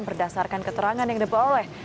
berdasarkan keterangan yang diperoleh